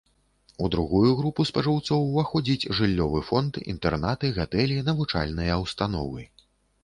У другую групу спажыўцоў уваходзіць жыллёвы фонд, інтэрнаты, гатэлі, навучальныя ўстановы.